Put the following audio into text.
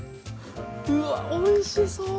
うわおいしそう！